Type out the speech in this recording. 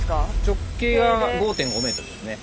直径が５．５ｍですね。